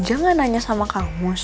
enggak ujang enggak nanya sama kamus